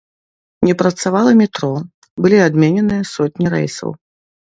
Не працавала метро, былі адмененыя сотні рэйсаў.